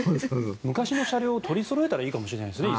昔の車両を取りそろえたらいいかもしれないですね。